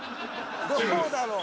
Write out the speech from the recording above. ［どうだろう？］